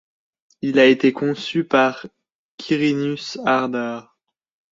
Il a été conçu par Quirinus Harder.